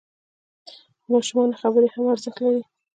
د ماشومانو خبرې هم ارزښت لري.